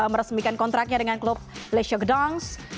meresmikan kontraknya dengan klub lesiogedongs